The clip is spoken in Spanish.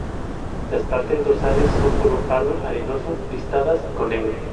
Las partes dorsales son color pardo arenoso, listadas con negro.